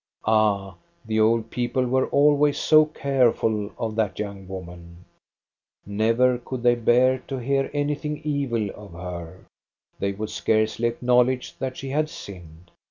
Ah, the old people were always so careful of that young woman ! Never could they bear to hear anything evil of her. They would scarcely acknowledge that she had sinned.